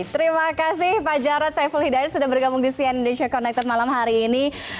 terima kasih pak jarod saiful hidayat sudah bergabung di cn indonesia connected malam hari ini